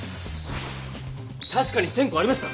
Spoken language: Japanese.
確かに１０００こありました。